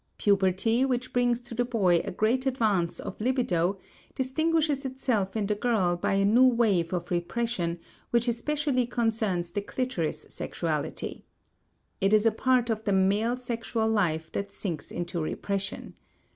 Puberty, which brings to the boy a great advance of libido, distinguishes itself in the girl by a new wave of repression which especially concerns the clitoris sexuality. It is a part of the male sexual life that sinks into repression.